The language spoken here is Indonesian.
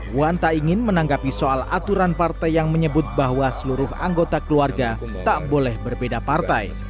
puan tak ingin menanggapi soal aturan partai yang menyebut bahwa seluruh anggota keluarga tak boleh berbeda partai